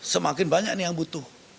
semakin banyak nih yang butuh